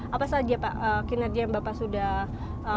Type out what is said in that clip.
apa saja pak kinerja yang bapak sudah lakukan